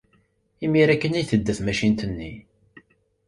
Imir-a kan ay tedda tmacint-nni.